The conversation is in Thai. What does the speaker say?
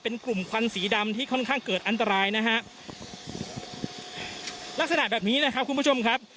เป็นกลุ่มควันสีดำที่ค่อนข้างเกิดอันตรายนะฮะลักษณะแบบนี้นะครับคุณผู้ชมครับ